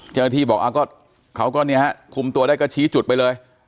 เจ้าหน้าที่บอกเขาก็เนี่ยฮะคุมตัวได้ก็ชี้จุดไปเลย